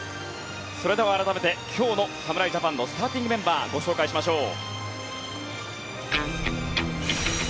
それでは、改めて今日の侍ジャパンのスターティングメンバーをご紹介しましょう。